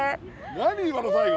何今の最後。